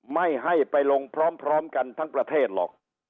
ไม่ให้ไปลงพร้อมกันทั้งประเทศหรอก